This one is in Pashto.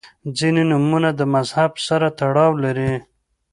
• ځینې نومونه د مذهب سره تړاو لري.